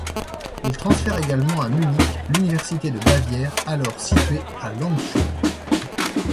Il transfère également à Munich l'université de Bavière, alors située à Landshut.